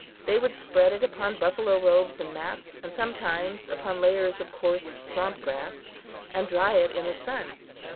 They would spread it upon buffalo robes and mats, and sometimes upon layers of coarse swamp grass, and dry it in the sun.